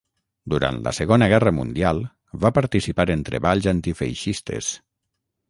Durant la Segona Guerra Mundial va participar en treballs antifeixistes.